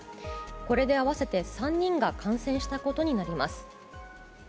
これで合わせて３人が感染したことになります。